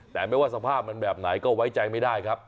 แต่ไม่ว่าสภาพมันแบบไหนก็ไว้ใจไม่ได้ครับ